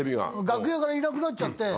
楽屋からいなくなっちゃって。